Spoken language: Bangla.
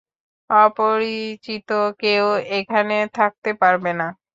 অপরিচিত কেউ এখানে থাকতে পারবে না।